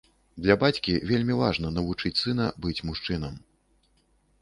Для бацькі вельмі важна навучыць сына быць мужчынам.